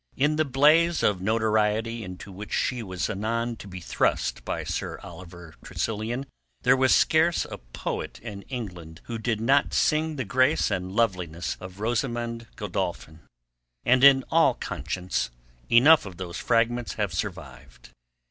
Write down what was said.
In the blaze of notoriety into which she was anon to be thrust by Sir Oliver Tressilian there was scarce a poet in England who did not sing the grace and loveliness of Rosamund Godolphin, and in all conscience enough of those fragments have survived.